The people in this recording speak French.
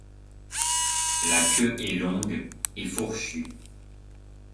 La queue est longue et fourchue.